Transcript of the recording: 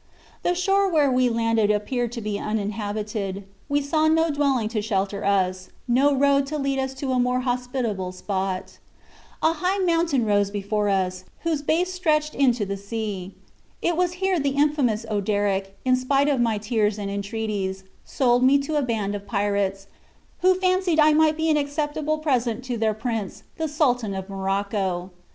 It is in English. "The shore where we landed appeared to be uninhabited. We saw no dwelling to shelter us, no road to lead us to a more hospitable spot. A high mountain rose before us, whose base stretched into the sea. It was here the infamous Oderic, in spite of my tears and entreaties, sold me to a band of pirates, who fancied I might be an acceptable present to their prince, the Sultan of Morocco.